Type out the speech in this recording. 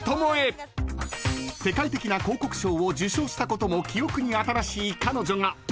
［世界的な広告賞を受賞したことも記憶に新しい彼女が］